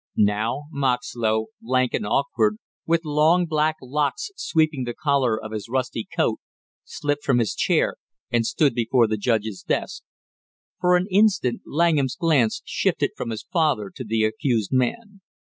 Now Moxlow, lank and awkward, with long black locks sweeping the collar of his rusty coat, slipped from his chair and stood before the judge's desk. For an instant Langham's glance shifted from his father to the accused man.